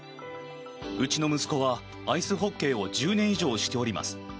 うちの息子はアイスホッケーを１０年以上しております。